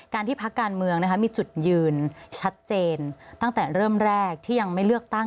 ที่พักการเมืองมีจุดยืนชัดเจนตั้งแต่เริ่มแรกที่ยังไม่เลือกตั้ง